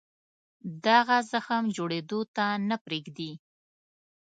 دغه زخم جوړېدو ته نه پرېږدي.